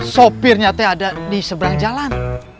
sopirnya itu ada di seberang jalan